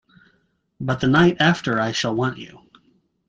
But the night after I shall want you.